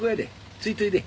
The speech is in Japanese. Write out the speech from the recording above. ついといで。